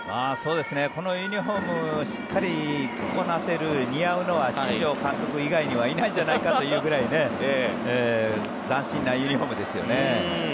このユニホームしっかり着こなせる、似合うのは新庄監督以外にはいないんじゃないかというくらい斬新なユニホームですよね。